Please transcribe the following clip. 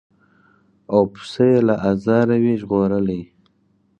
او پسه یې له آزاره وي ژغورلی